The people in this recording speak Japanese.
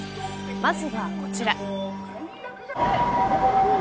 まずはこちら。